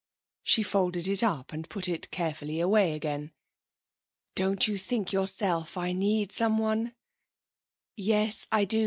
She folded it up and put it carefully away again. 'Don't you think yourself I need someone?' 'Yes, I do.